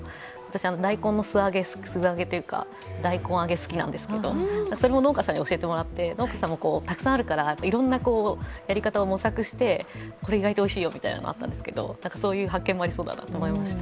大根の素揚げというか、大根揚げ好きなんですけど、それも農家さんに教えてもらって農家さんもたくさんあるからいろんなやり方を模索して、これ意外とおいしいよとそういう発見もありそうだなと思いました。